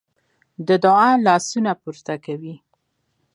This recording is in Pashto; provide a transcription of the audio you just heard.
د دعا لاسونه پورته کوي.